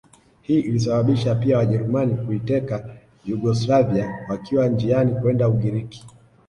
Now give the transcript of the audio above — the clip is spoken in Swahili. Hii ilisababisha pia Wajerumani kuiteka Yugoslavia wakiwa njiani kwenda Ugiriki